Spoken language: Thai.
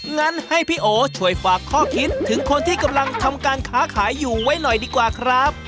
งั้นให้พี่โอช่วยฝากข้อคิดถึงคนที่กำลังทำการค้าขายอยู่ไว้หน่อยดีกว่าครับ